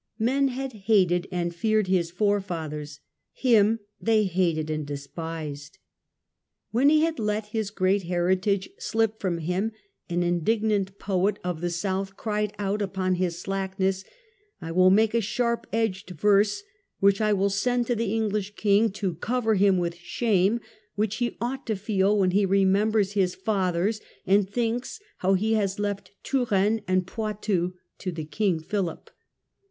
Men had hated and feared his forefathers — him they hated and despised. When he had let his great heritage slip from him, an indignant poet of the South cried out upon his slackness: " I will make a sharp edged verse, which I will send to the English king, to cover him with shame, which he ought to feel when he remembers his fathers, and thinks how he has left Touraine and Poitou to the King Philip.